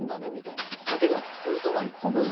けどウソは１個もないよ。